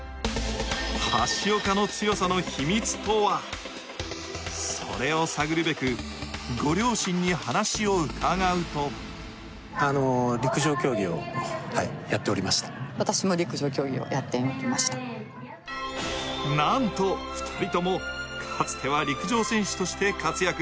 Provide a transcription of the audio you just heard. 橋岡の強さの秘密とはそれを探るべく、ご両親に話を伺うとなんと、２人とも、かつては陸上選手として活躍